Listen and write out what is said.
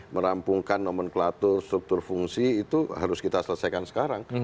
merampungkan nomenklatur struktur fungsi itu harus kita selesaikan sekarang